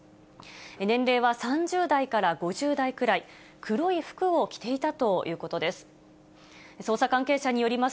年齢は３０代から５０代くらい、黒い服を着ていたということです。